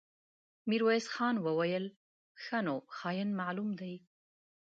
ميرويس خان وويل: ښه نو، خاين معلوم دی.